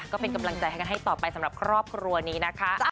ก็เป็นกำลังใจให้กันให้ต่อไปสำหรับครอบครัวนี้นะคะ